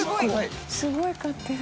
すごい買ってる。